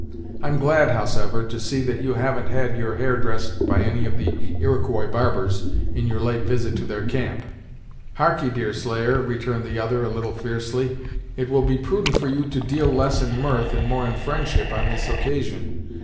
"I'm glad, howsever, to see that you haven't had your hair dressed by any of the Iroquois barbers, in your late visit to their camp." "Harkee, Deerslayer," returned the other a little fiercely, "it will be prudent for you to deal less in mirth and more in friendship on this occasion.